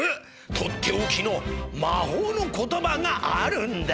とっておきのまほうの言葉があるんだ。